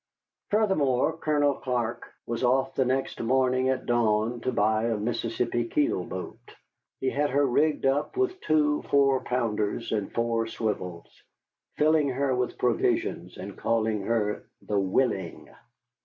Furthermore, Colonel Clark was off the next morning at dawn to buy a Mississippi keel boat. He had her rigged up with two four pounders and four swivels, filled her with provisions, and called her the Willing.